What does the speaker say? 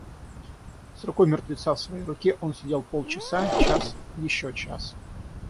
С рукой мертвеца в своей руке он сидел полчаса, час, еще час.